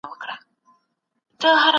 د کمېسیون کاري پلان څوک جوړوي؟